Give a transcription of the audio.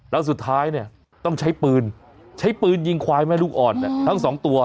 แล้วสุดท้ายเนี่ยต้องใช้ปืนใช้ปืนยิงควายแม่ลูกอ่อนเนี่ยทั้งสองตัว